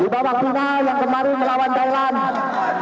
di bawah final yang kemarin melawan thailand